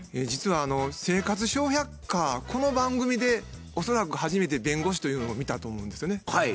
実は「生活笑百科」この番組で恐らく初めて弁護士というのを見たと思うんですよね。